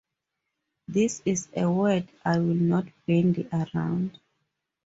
This is a word I will not bandy around.